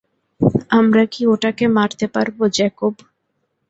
আমরা কি ওটাকে মারতে পারবো, জ্যাকব?